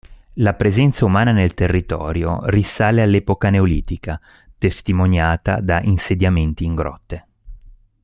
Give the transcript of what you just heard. La presenza umana nel territorio, risale all'epoca neolitica, testimoniata da insediamenti in grotte.